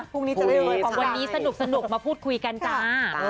ของวันนี้สนุกมาพูดคุยกันจ้า